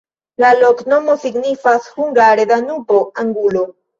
La loknomo signifas hungare: Danubo-angulo.